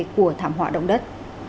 của thảm họa đông đất